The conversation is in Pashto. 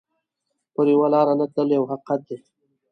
پر یوه لار نه تلل یو حقیقت دی.